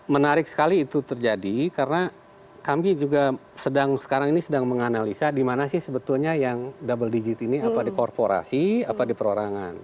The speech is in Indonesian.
menarik sekali itu terjadi karena kami juga sekarang ini sedang menganalisa di mana sih sebetulnya yang double digit ini apa di korporasi apa di perorangan